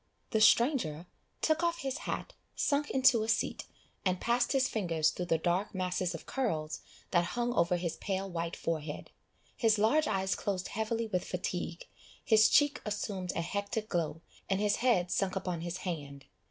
The stranger took off his hat, sunk into a seat, and passed his fingers through the dark masses of curls that hung over his pale white forehead, his large eyes closed heavily with fatigue, his cheek assumed a hectic glow, and his head sunk upon his hand.